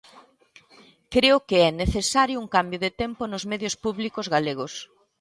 Creo que é necesario un cambio de tempo nos medios públicos galegos.